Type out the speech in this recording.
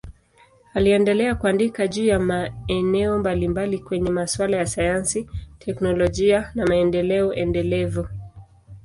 Aliendelea kuandika juu ya maeneo mbalimbali kwenye masuala ya sayansi, teknolojia na maendeleo endelevu.